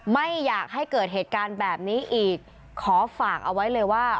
ไม่อยากให้เกิดเหตุการณ์แบบนี้อีกขอฝากเอาไว้เลยว่า